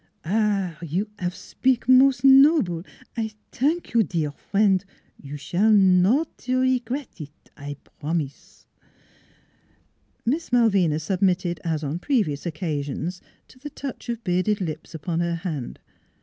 "Ah h! You 'av spik mos' noble! I t'ank you, dear frien', you s'all not eet regret, I promise !" Miss Malvina submitted, as on previous occa sions, to the touch of bearded lips upon her hand.